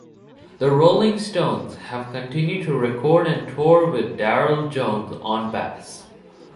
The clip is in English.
The Rolling Stones have continued to record and tour with Darryl Jones on bass.